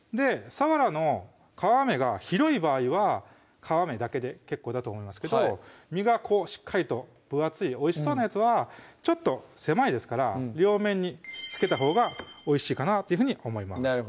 さわらの皮目が広い場合は皮目だけで結構だと思いますけど身がしっかりと分厚いおいしそうなやつはちょっと狭いですから両面につけたほうがおいしいかなっていうふうに思います